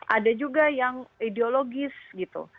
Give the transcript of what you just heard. ada juga yang ideologis gitu